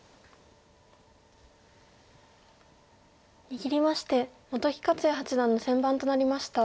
握りまして本木克弥八段の先番となりました。